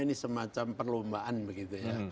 ini semacam perlombaan begitu ya